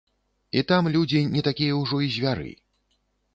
І там людзі не такія ўжо і звяры.